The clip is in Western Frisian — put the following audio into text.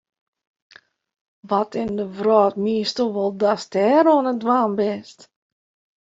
Wat yn de wrâld miensto wol datst dêr oan it dwaan bist?